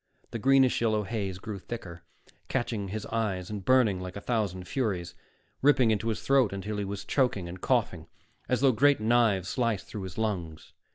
The greenish yellow haze grew thicker, catching his eyes and burning like a thousand furies, ripping into his throat until he was choking and coughing, as though great knives sliced through his lungs.